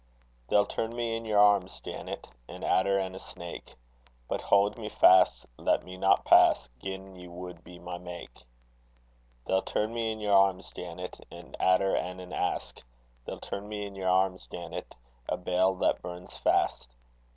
They'll turn me in your arms, Janet, An adder and a snake; But haud me fast, let me not pass, Gin ye would be my maik. They'll turn me in your arms, Janet, An adder and an aske; They'll turn me in your arms, Janet, A bale that burns fast.